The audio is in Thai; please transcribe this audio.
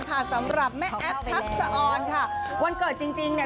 สำหรับแม่แอฟภักสาอยมนี้